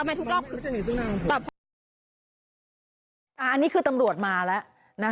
อ้าวไม่ทุกครั้งอันนี้คือตำรวจมาแล้ว